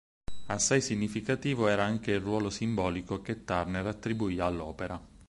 Assai significativo era anche il ruolo simbolico che Turner attribuì all'opera.